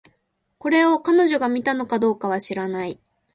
これを、彼女が見たのかどうかは知らない